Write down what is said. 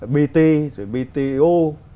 bt rồi bto